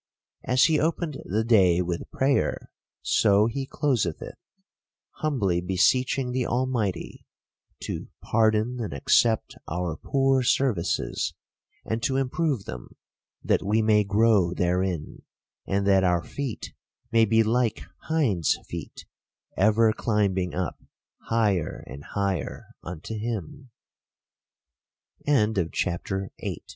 As he opened the day with prayer, so he closeth it ; humbly beseeching the Almighty " to pardon and accept our poor services, and to improve them, that we may grow therein : and that our feet may be like hind's feet, ever climbing up higher